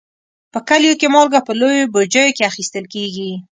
په کلیو کې مالګه په لویو بوجیو کې اخیستل کېږي.